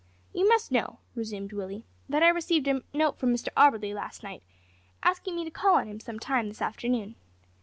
"You must know," resumed Willie, "that I received a note from Mr Auberly last night, asking me to call on him some time this afternoon.